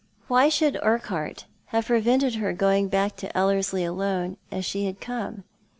Why should Urquhart have prevented her going back to Ellerslie alone, as she had come?